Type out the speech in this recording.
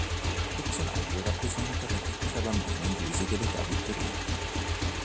Il personaggio rappresenta la tipica bambina inglese dell'età vittoriana.